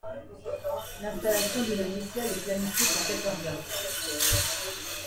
L'installation du logiciel est planifiée pour quatorze heures.